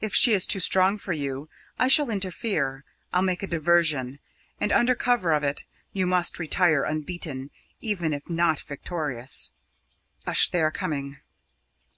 If she is too strong for you, I shall interfere. I'll make a diversion, and under cover of it you must retire unbeaten, even if not victorious. Hush! they are coming."